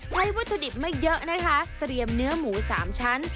วัตถุดิบไม่เยอะนะคะเตรียมเนื้อหมู๓ชั้น